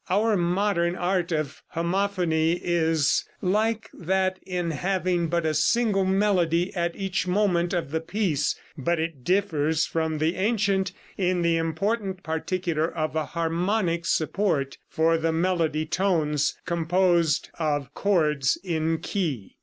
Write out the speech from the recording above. Our modern art of homophony is like that in having but a single melody at each moment of the piece; but it differs from the ancient in the important particular of a harmonic support for the melody tones composed of "chords in key."